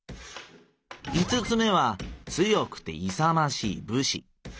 五つ目は強くて勇ましいぶし。